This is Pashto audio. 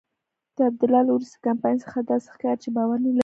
د عبدالله له وروستي کمپاین څخه داسې ښکاري چې باور نلري.